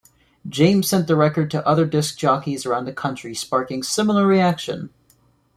James sent the record to other disc jockeys around the country sparking similar reaction.